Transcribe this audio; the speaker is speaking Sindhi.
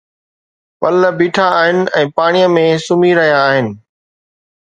پل بيٺا آهن ۽ پاڻيءَ ۾ سمهي رهيا آهن